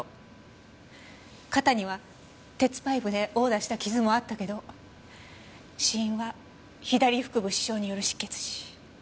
肩には鉄パイプで殴打した傷もあったけど死因は左腹部刺傷による失血死。